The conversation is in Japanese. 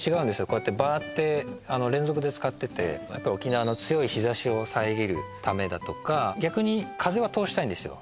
こうやってバーッて連続で使っててやっぱり沖縄の強い日差しを遮るためだとか逆に風は通したいんですよ